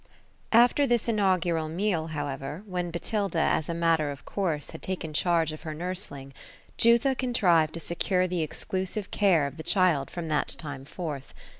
After this inaugural meal, however, when Botilda had, as a matter of course, taken charge of her nursling, Jutha contrived to secure the ex clusive care of the child from that time forth.